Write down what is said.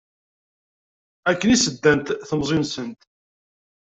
Akken i sɛeddant temẓi-nsent.